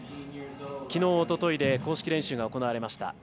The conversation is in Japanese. きのう、おとといで公式練習が行われました。